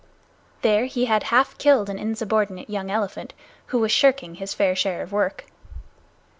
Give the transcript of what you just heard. There he had half killed an insubordinate young elephant who was shirking his fair share of work.